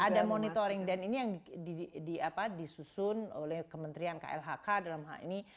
ada monitoring dan ini yang disusun oleh kementerian klhk dalam hal ini